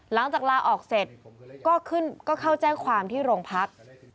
หลังจากลาออกเสร็จก็เข้าแจ้งความที่โรงพัก